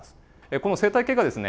この生態系がですね